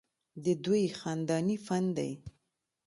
ددوي خانداني فن دے